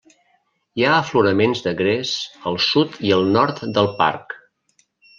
Hi ha afloraments de gres al sud i al nord del parc.